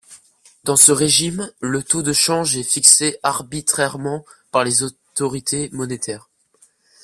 Dans ce régime le taux de change est fixé arbitrairement par les autorités monétaires.